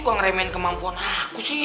gue ngeremen kemampuan aku sih